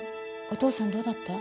お父さんどうだった？